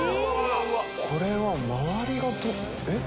これは周りがえっ？